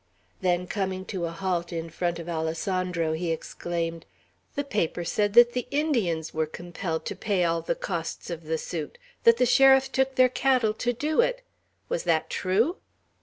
Then, coming to a halt in front of Alessandro, he exclaimed: "The paper said that the Indians were compelled to pay all the costs of the suit; that the sheriff took their cattle to do it. Was that true?"